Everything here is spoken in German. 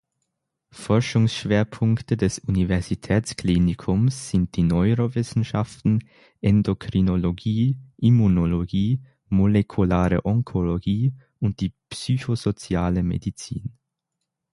Forschungsschwerpunkte des Universitätsklinikums sind die Neurowissenschaften, Endokrinologie, Immunologie, molekulare Onkologie und die Psychosoziale Medizin.